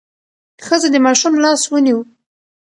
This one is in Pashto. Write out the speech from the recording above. ښځه د ماشوم لاس ونیو.